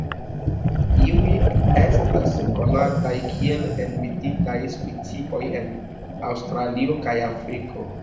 Iuj estas konataj kiel enmetitaj specioj en Aŭstralio kaj Afriko.